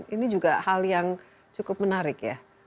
ini juga hal yang cukup menarik ya